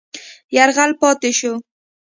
یرغل پاتې شو.